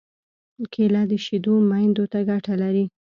کېله د شېدو میندو ته ګټه لري.